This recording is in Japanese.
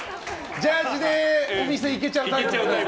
ジャージーでお店に行けちゃうタイプ。